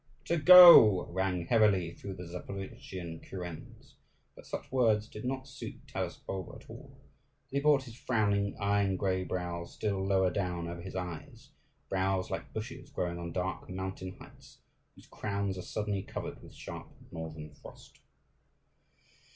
"To go," rang heavily through the Zaporozhian kurens. But such words did not suit Taras Bulba at all; and he brought his frowning, iron grey brows still lower down over his eyes, brows like bushes growing on dark mountain heights, whose crowns are suddenly covered with sharp northern frost.